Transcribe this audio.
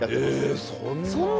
ええそんな。